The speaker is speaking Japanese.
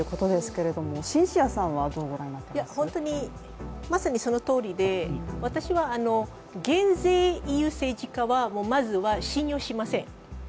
本当に、まさにそのとおりで私は減税と言う政治家はまずは信用しません。